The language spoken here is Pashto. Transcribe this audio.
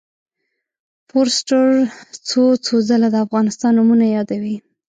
فورسټر څو څو ځله د افغانستان نومونه یادوي.